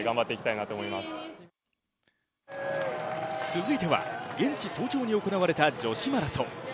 続いては現地早朝に行われた女子マラソン。